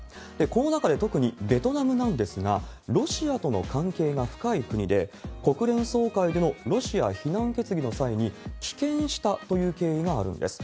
この中で特にベトナムなんですが、ロシアとの関係が深い国で、国連総会でのロシア非難決議の際に、棄権したという経緯があるんです。